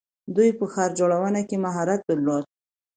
دوی په ښار جوړونه کې مهارت درلود.